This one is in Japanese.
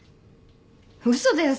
嘘だよ